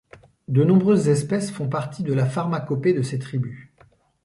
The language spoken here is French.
De nombreuses espèces font partie de la pharmacopée de ces tribus.